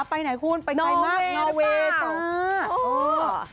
ไปไหนคุณไปไหนมากค่ะนอเว่ค่ะโอ้โฮ